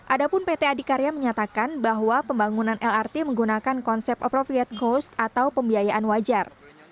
ada pun pt adikarya menyatakan bahwa pembangunan lrt menggunakan konsep appropriate cost atau pembiayaan wajar